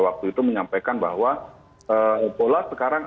waktu itu menyampaikan bahwa pola sekarang